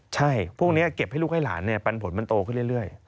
ใช่พวกนี้เก็บให้ลูกให้หลานปันผลมันโตขึ้นเรื่อย